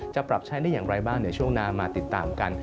จะปรับใช้ได้อย่างไรบ้างเดี๋ยวช่วงหน้ามาติดตามกัน